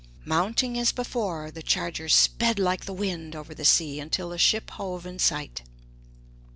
Mounting as before, the charger sped like the wind over the sea until the ship hove in sight.